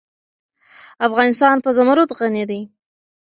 افغانستان په زمرد غني دی.